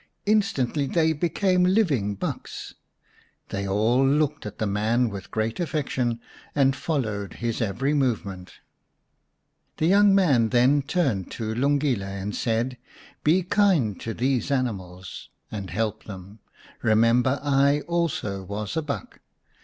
Instantly they became lisdng bucks. They all looked at the man with great affection, and followed his every movement. The young man then turned to Lungile and said, " Be kind to these animals, and help them. Kemember I also was a buck.